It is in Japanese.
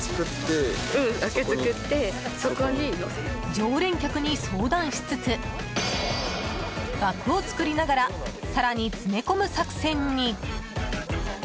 常連客に相談しつつ枠を作りながら更に詰め込む作戦に。